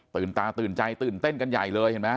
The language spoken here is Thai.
ตาตื่นใจตื่นเต้นกันใหญ่เลยเห็นไหม